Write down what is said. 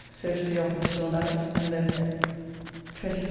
So to the office till night and then home. ["Sunday, Jan.